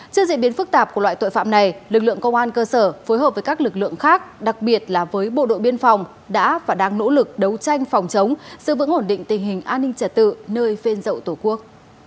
trước diễn biến phức tạp của loại tội phạm này lực lượng công an cơ sở phối hợp với các lực lượng khác đặc biệt là với bộ đội biên phòng đã và đang nỗ lực đấu tranh phòng chống giữ vững ổn định tình hình an ninh trả tự nơi phên dậu tổ quốc